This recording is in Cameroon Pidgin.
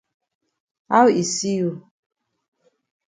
How e see you?